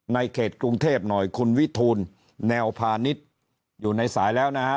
ในเขตกรุงเทพหน่อยคุณวิทูลแนวพาณิชย์อยู่ในสายแล้วนะฮะ